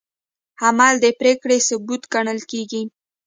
عمل د پرېکړې ثبوت ګڼل کېږي.